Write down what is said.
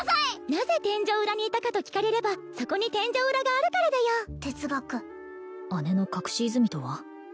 なぜ天井裏にいたかと聞かれればそこに天井裏があるからだよ哲学姉の隠し泉とは？